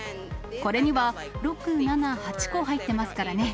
これには６、７、８個入ってますからね。